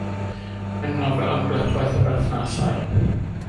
Mae'n nofel am glytwaith o berthnasau.